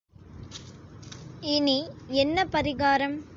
இனி என்ன பரிகாரம்?